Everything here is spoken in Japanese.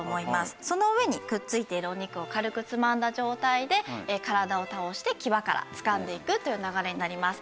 その上にくっついているお肉を軽くつまんだ状態で体を倒して際からつかんでいくという流れになります。